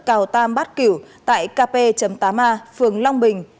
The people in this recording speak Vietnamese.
cào tam bát cửu tại kp tám a phường long bình